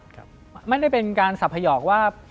ครับไม่ได้เป็นการสับพยอกว่า